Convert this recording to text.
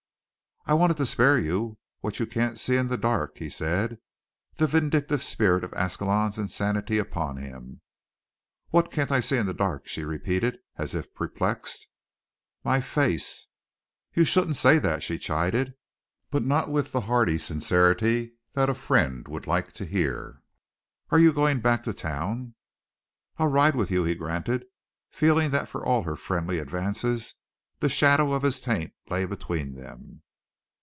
"I wanted to spare you what you can't see in the dark," he said, the vindictive spirit of Ascalon's insanity upon him. "What I can't see in the dark?" she repeated, as if perplexed. "My face." "You shouldn't say that," she chided, but not with the hearty sincerity that a friend would like to hear. "Are you going back to town?" "I'll ride with you," he granted, feeling that for all her friendly advances the shadow of his taint lay between them.